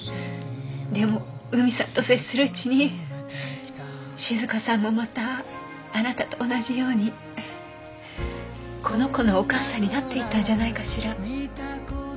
でも海さんと接するうちに静香さんもまたあなたと同じようにこの子のお母さんになっていったんじゃないかしら。